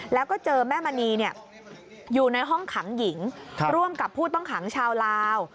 แล้วก็เจอแม่มณีอยู่ในห้องขังหญิงร่วมกับผู้ต้องขังชาวลาว